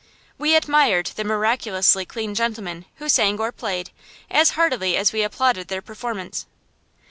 We admired the miraculously clean gentlemen who sang or played, as heartily as we applauded their performance.